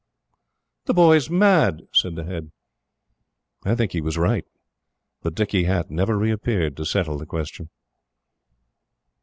"The boy's mad!" said the Head. I think he was right; but Dicky Hatt never reappeared to settle the question.